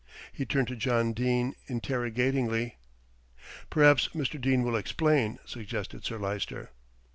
He turned to John Dene interrogatingly. "Perhaps Mr. Dene will explain," suggested Sir Lyster.